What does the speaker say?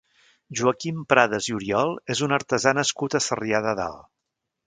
Joaquim Pradas i Oriol és un artesà nascut a Sarrià de Dalt.